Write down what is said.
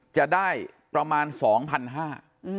จะได้ประมาณสองพันห้า